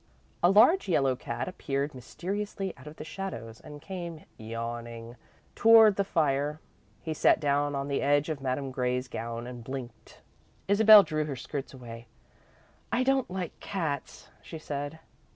A large yellow cat appeared mysteriously out of the shadows and came, yawning, toward the fire. He sat down on the edge of Madame's grey gown, and blinked. Isabel drew her skirts away. "I don't like cats," she said.